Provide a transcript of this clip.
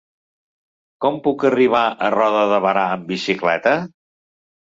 Com puc arribar a Roda de Berà amb bicicleta?